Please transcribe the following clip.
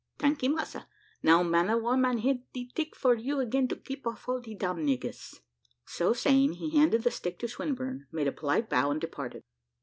"Tanky, massa; now man of war man, here de tick for you again to keep off all de dam niggers." So saying, he handed the stick to Swinburne, made a polite bow, and departed.